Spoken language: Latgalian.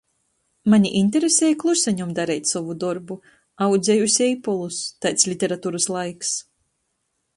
Mani interesej kluseņom dareit sovu dorbu. Audzeju seipulus. Taids literaturys laiks.